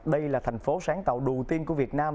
đây là thành phố sáng tạo đầu tiên của việt nam